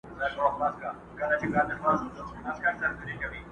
ځوانان بحث کوي په کوڅو تل